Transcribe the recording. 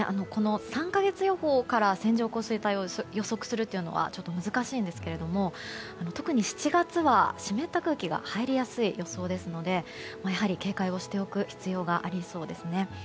３か月予報から線状降水帯を予測するのはちょっと難しいんですが特に７月は湿った空気が入りやすい予想ですのでやはり警戒をしておく必要がありそうですね。